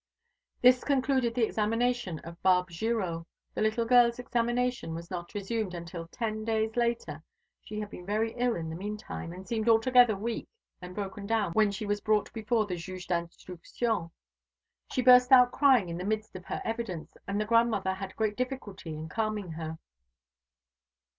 This concluded the examination of Barbe Girot. The little girl's examination was not resumed until ten days later. She had been very ill in the mean time, and seemed altogether weak and broken down when she was brought before the Juge d'Instruction. She burst out crying in the midst of her evidence, and the grandmother had great difficulty in calming her.